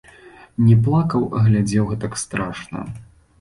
Не плакаў, а глядзеў гэтак страшна.